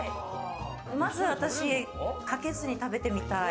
まず私、かけずに食べてみたい。